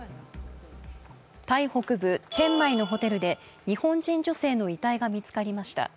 タイ北部・チェンマイのホテルで日本人女性の遺体が見つかりました。